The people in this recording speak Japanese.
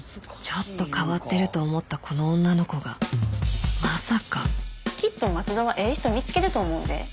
ちょっと変わってると思ったこの女の子がまさかきっと松戸はええ人見つけると思うで。